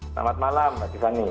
selamat malam mbak tiffany